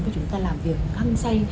và chúng ta làm việc thăng say